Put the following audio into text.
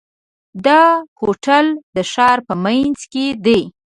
دا هوټل د ښار په منځ کې دی.